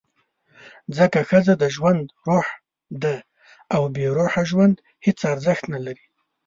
ځکه ښځه د ژوند «روح» ده، او بېروحه ژوند هېڅ ارزښت نه لري.